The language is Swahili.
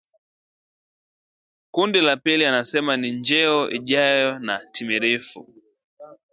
Kundi la pili anasema ni njeo ijayo na timilifu